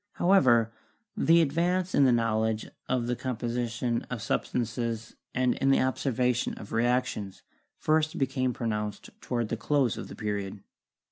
However, the advance in the knowledge of the composition of substances and in the observation of reactions first became pronounced toward the close of the Period.